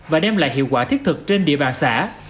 và đem lại hiệu quả thiết thực trên địa bàn xã